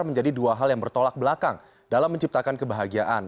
menjadi dua hal yang bertolak belakang dalam menciptakan kebahagiaan